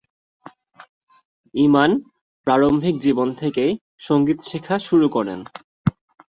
ইমান প্রারম্ভিক জীবন থেকেই সংগীত শিখা শুরু করেন।